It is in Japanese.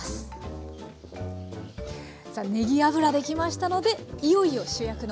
さあねぎ油出来ましたのでいよいよ主役の。